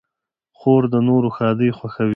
خور د نورو ښادۍ خوښوي.